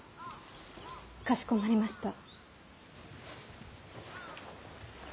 かしこまりました。